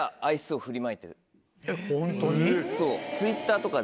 ホントに？